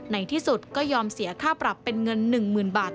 ในที่สุดก็ยอมเสียค่าปรับเป็นเงิน๑๐๐๐บาท